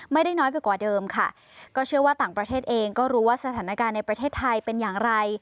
ไม่ได้น้อยไปกว่าเดิมค่ะก็เชื่อว่าต่างประเทศเองก็รู้ว่าสถานการณ์ในประเทศไทยเป็นอย่างไร